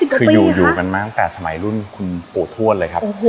คืออยู่กันมาตั้งแต่สมัยรุ่นคุณปู่ทวดเลยครับ